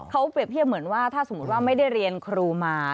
เขาเปรียบเทียบเหมือนว่าถ้าสมมุติว่าไม่ได้เรียนครูมา